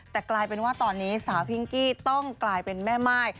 แต่กลายเป็นว่าตอนนี้สาวพิงกี้ต้องกลายเป็นแม่ม่าย